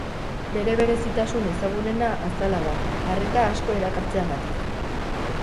Bere berezitasun ezagunena azala da, arreta asko erakartzeagatik.